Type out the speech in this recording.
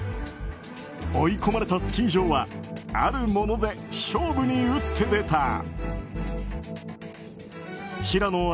追い込まれたスキー場はあるもので勝負に打って出た。